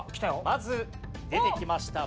まず出てきました